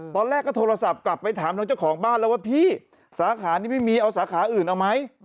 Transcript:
ตอนแรกก็โทรศัพท์กลับไปถามทางเจ้าของบ้านแล้วว่าพี่สาขานี้ไม่มีเอาสาขาอื่นเอาไหม